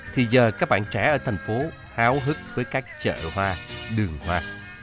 thì giờ các bạn trẻ ở thành phố háo hức với các chợ hoa đường hoa